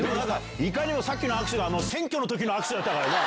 いかにもさっきの握手が選挙の時の握手だったからな。